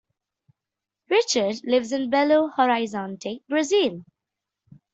Richards lives in Belo Horizonte, Brazil.